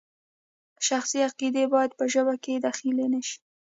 شخصي عقیدې باید په ژبه کې دخیل نشي.